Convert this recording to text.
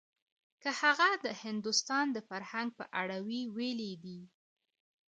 که هغه د هندوستان د فرهنګ په اړه وی ويلي دي.